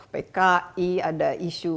pki ada isu